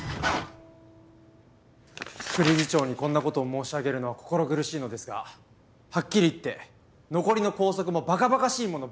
副理事長にこんな事を申し上げるのは心苦しいのですがはっきり言って残りの校則も馬鹿馬鹿しいものばかりです。